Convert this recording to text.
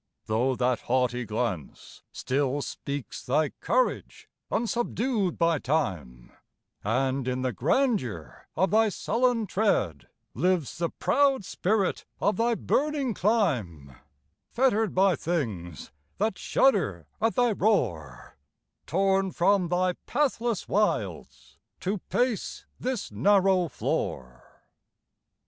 though that haughty glance Still speaks thy courage unsubdued by time, And in the grandeur of thy sullen tread Lives the proud spirit of thy burning clime; Fettered by things that shudder at thy roar, Torn from thy pathless wilds to pace this narrow floor!